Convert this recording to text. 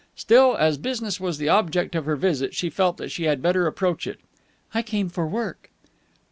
Still, as business was the object of her visit, she felt that she had better approach it. "I came for work."